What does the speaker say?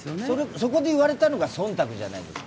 そこで言われたのが忖度じゃないですか。